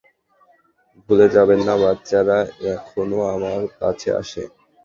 ভুলে যাবেন না, বাচ্চারা এখনো আমার কাছে আছে।